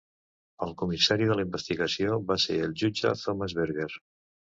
El comissari de la investigació va ser el jutge Thomas Berger.